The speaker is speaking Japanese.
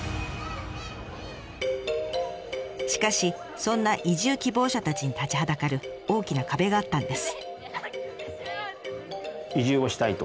しかしそんな移住希望者たちに立ちはだかる大きな壁があったんです。